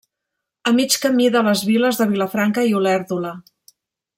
A mig camí de les viles de Vilafranca i Olèrdola.